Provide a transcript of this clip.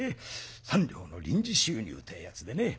３両の臨時収入ってえやつでねありがたい。